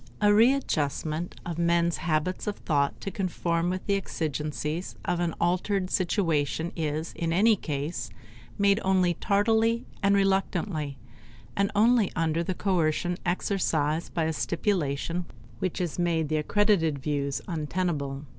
A readjustment of men's habits of thought to conform with the exigencies of an altered situation is in any case made only tardily and reluctantly, and only under the coercion exercised by a stipulation which has made the accredited views untenable.